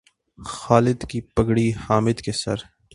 خالد کی پگڑی حامد کے سر